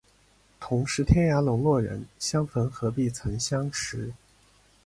同是天涯沦落人，相逢何必曾相识